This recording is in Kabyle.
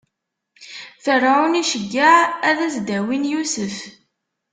Ferɛun iceggeɛ ad as-d-awin Yusef.